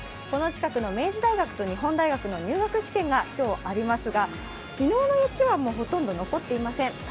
この近くの明治大学と日本大学の入学試験が今日、ありますが昨日の雪はもう残っていません。